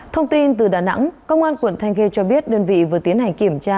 thông tin từ đà nẵng công an quận thanh khê cho biết đơn vị vừa tiến hành kiểm tra